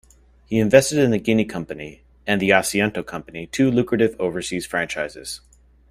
He invested in the Guinea Company and the Asiento Company, two lucrative overseas franchises.